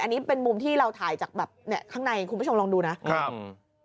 อันนี้เป็นมุมที่เราถ่ายจากแบบเนี้ยข้างในคุณผู้ชมลองดูนะครับอืม